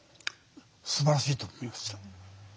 すばらしいと思いました。